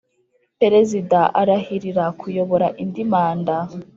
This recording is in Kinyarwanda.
Perezida arahirira kuyobora indi manda